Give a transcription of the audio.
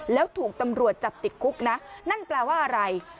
แล้วถูกตำรวจจับติดคุกนะนั่นแปลว่าอะไร